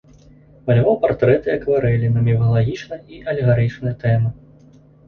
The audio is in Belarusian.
Маляваў партрэты і акварэлі на міфалагічныя і алегарычныя тэмы.